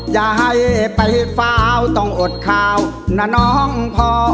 อย่าให้ไปฟ้าวต้องอดข้าวนะน้องพอ